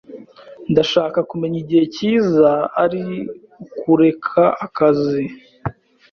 Ndashaka kumenya igihe cyiza ari ukureka akazi.